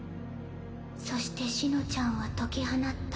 そして紫乃ちゃんは解き放った。